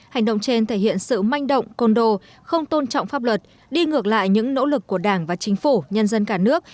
hành động trên thể hiện sự manh động côn đồ không tôn trọng pháp luật đi ngược lại những nỗ lực của đảng và chính phủ nhân dân cả nước